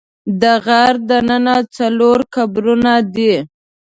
د غار دننه څلور قبرونه دي.